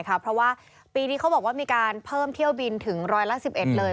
เพราะว่าปีนี้เขาบอกว่ามีการเพิ่มเที่ยวบินถึงร้อยละ๑๑เลย